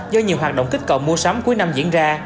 do nhiều hoạt động kích cầu mua sắm cuối năm diễn ra